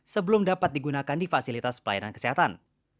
sebelum dapat digunakan di fasilitas pelayanan kesehatan